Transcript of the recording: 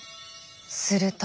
すると。